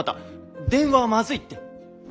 電話はまずいって。